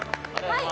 ◆はい。